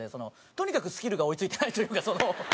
とにかくスキルが追い付いてないというか。